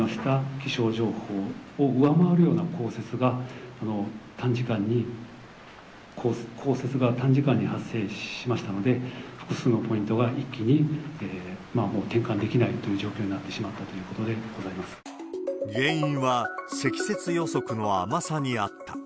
気象情報を上回るような降雪が短時間に、降雪が短時間に発生しましたので、複数のポイントが一気に転換できないという状況になってしまった原因は、積雪予測の甘さにあった。